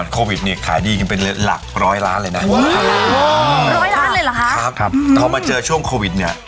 ขายดีถึงเป็นหลักร้อยล้านเลยนะอ๋อร้อยล้านเลยหรอคะครับพอมาเจอช่วงควิดเนี้ย